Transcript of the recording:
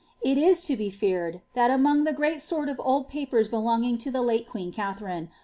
It is to be fear«Hl, tliat amonf the great sort of old papers belonging to the lale queen Katharine."